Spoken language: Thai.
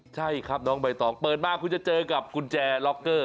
ใช่ครับน้องใบตองเปิดมาคุณจะเจอกับกุญแจล็อกเกอร์